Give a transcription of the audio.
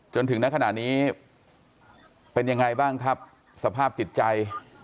จนถึงณขณะนี้เป็นยังไงบ้างครับสภาพจิตใจ